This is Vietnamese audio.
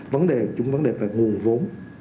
vấn đề chúng vấn đề về nguồn vốn